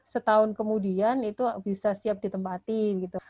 setahun kemudian itu bisa siap ditempatin gitu